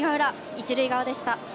一塁側でした。